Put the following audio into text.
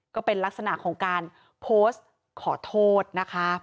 ก็เป็นลักษณะของการโพสต์ขอโทษนะคะ